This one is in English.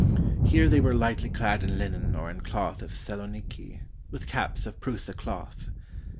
Here they were lightly clad in linen or in cloth of Saloniki, with caps of Prusa cloth.